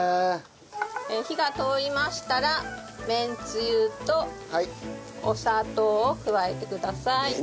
火が通りましたらめんつゆとお砂糖を加えてください。